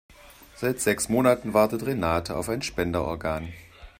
Seit sechs Monaten wartet Renate auf ein Spenderorgan.